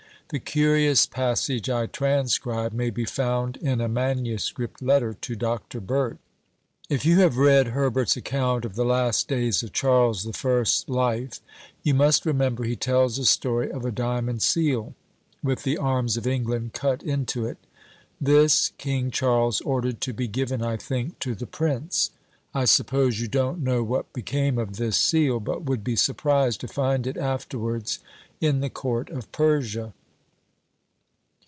The curious passage I transcribe may be found in a manuscript letter to Dr. Birch. "If you have read Herbert's account of the last days of Charles the First's life, you must remember he tells a story of a diamond seal, with the arms of England cut into it. This, King Charles ordered to be given, I think, to the prince. I suppose you don't know what became of this seal, but would be surprised to find it afterwards in the Court of Persia.